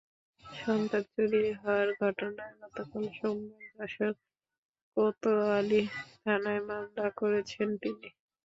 সন্তান চুরি হওয়ার ঘটনায় গতকাল সোমবার যশোর কোতোয়ালি থানায় মামলা করেছেন তিনি।